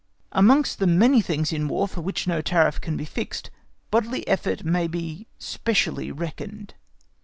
Amongst the many things in War for which no tariff can be fixed, bodily effort may be specially reckoned.